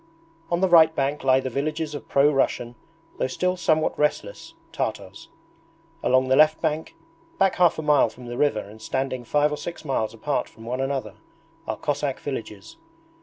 On the right bank lie the villages of pro Russian, though still somewhat restless, Tartars. Along the left bank, back half a mile from the river and standing five or six miles apart from one another, are Cossack villages.